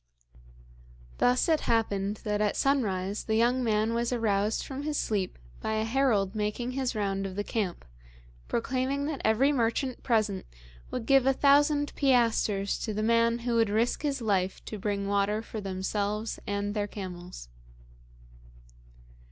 Thus it happened that at sunrise the young man was aroused from his sleep by a herald making his round of the camp, proclaiming that every merchant present would give a thousand piastres to the man who would risk his life to bring water for themselves and their camels.